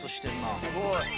すごい。